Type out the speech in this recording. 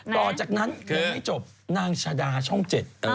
ต่อจากนั้นยังไม่จบนางชาดาช่องเจ็ด